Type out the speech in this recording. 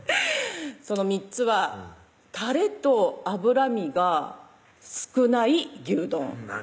その３つはたれと脂身が少ない牛丼何？